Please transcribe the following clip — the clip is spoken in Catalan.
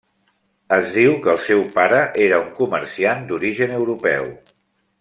Es diu que el seu pare era un comerciant d'origen europeu.